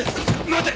待て！